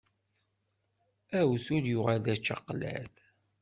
Awtul yuɣal d ačaqlal.